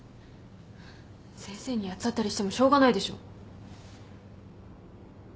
先生に八つ当たりしてもしょうがないでしょ。